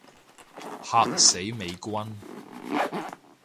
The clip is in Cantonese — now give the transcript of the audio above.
嚇死美軍